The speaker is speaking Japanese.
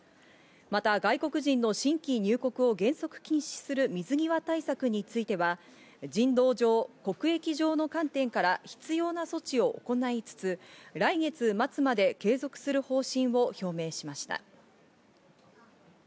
また外国人の新規入国を原則禁止する水際対策については、人道上、国益上の観点から必要な措置を行いつつ、来月末まで継続する方針を表明しました。